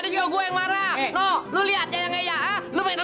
nuh lu lihat yang kayaknya